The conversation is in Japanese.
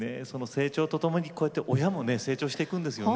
成長とともに親も成長するんですね。